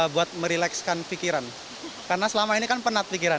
buat merelekskan pikiran karena selama ini kan penat pikiran